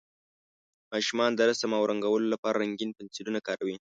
ماشومان د رسم او رنګولو لپاره رنګین پنسلونه کاروي.